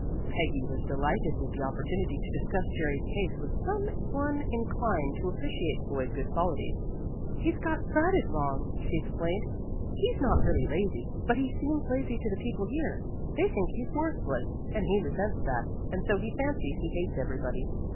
Peggy was delighted with the opportunity to discuss Jerry's case with some one inclined to appreciate the boy's good qualities. "He's got started wrong," she explained. "He's not really lazy, but he seems lazy to the people here. They think he's worthless and he resents that, and so he fancies he hates everybody.